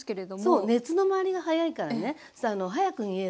そう熱の回りが早いからね早く煮えるのね。